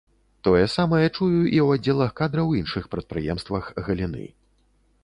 Тое самае чую і ў аддзелах кадраў іншых прадпрыемствах галіны.